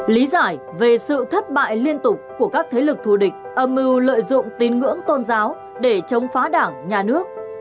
lý giải về sự thất bại liên tục của các thế lực thù địch âm mưu lợi dụng tin ngưỡng tôn giáo để chống phá đảng nhà nước